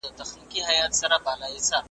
تا آزاد کړم له وهلو له ښکنځلو ,